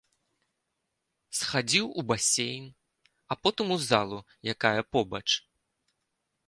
Схадзіў у басейн, а потым у залу, якая побач.